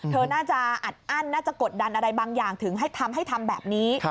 เธอน่าจะอัดอั้นน่าจะกดดันอะไรบางอย่างถึงให้ทำให้ทำแบบนี้